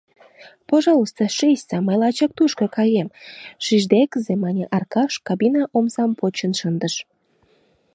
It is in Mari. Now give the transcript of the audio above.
— Пожалуйста, шичса, мый лачак тушко каем, — шиждегызе мане Аркаш, кабина омсам почын шындыш.